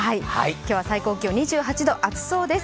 今日は最高気温２８度、暑そうです。